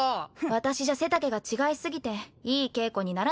私じゃ背丈が違いすぎていい稽古にならないのよ。